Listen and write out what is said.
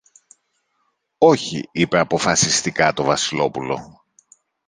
Όχι, είπε αποφασιστικά το Βασιλόπουλο